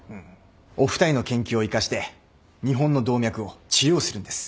お二人の研究を生かして日本の動脈を治療するんです。